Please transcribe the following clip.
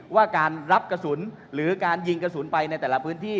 ว่าการรับกระสุนหรือการยิงกระสุนไปในแต่ละพื้นที่